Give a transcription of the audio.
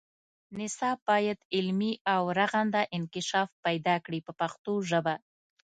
نصاب باید علمي او رغنده انکشاف پیدا کړي په پښتو ژبه.